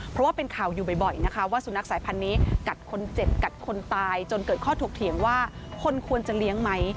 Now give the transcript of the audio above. เพราะว่าเป็นข่าวอยู่บ่อยนะคะว่าสุนัขสายพันธุ์นี้กัดคนเจ็บกัดคนตายจนเกิดข้อถกเถียงว่าคนควรจะเลี้ยงไหม